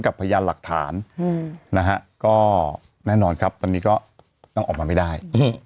พยานหลักฐานนะฮะก็แน่นอนครับตอนนี้ก็ต้องออกมาไม่ได้